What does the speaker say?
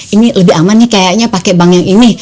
ini lebih aman nih kayaknya pakai bank yang ini